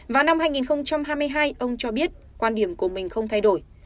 vào năm hai nghìn hai mươi hai ông cho biết quan điểm của mình không thay đổi